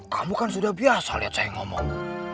kamu kan sudah biasa lihat saya ngomong